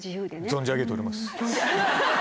存じ上げております。